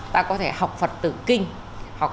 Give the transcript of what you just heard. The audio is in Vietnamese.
ta có thể học phật từ kinh